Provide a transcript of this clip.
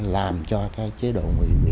làm cho cái chế độ mười quyền